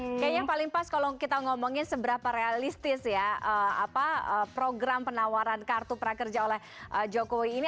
kayaknya yang paling pas kalau kita ngomongin seberapa realistis ya program penawaran kartu prakerja oleh jokowi ini